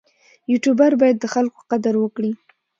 یوټوبر باید د خلکو قدر وکړي.